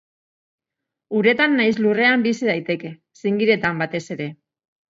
Uretan nahiz lurrean bizi daiteke, zingiretan batez ere.